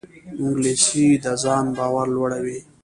انګلیسي د ځان باور لوړوي